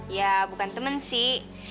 ya bukan teman sih